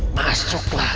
masih makin susah